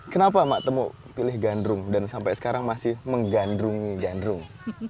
kenapa mak temu pilih gandrung dan sampai sekarang masih menggandrungi gandrung